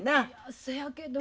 そやけど。